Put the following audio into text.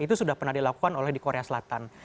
itu sudah pernah dilakukan oleh di korea selatan